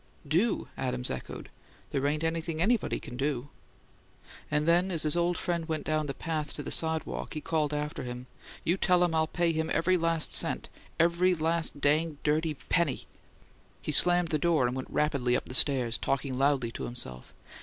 "Do?" Adams echoed. "There ain't anything ANYBODY can do!" And then, as his old friend went down the path to the sidewalk, he called after him, "You tell him I'll pay him every last cent! Every last, dang, dirty PENNY!" He slammed the door and went rapidly up the stairs, talking loudly to himself.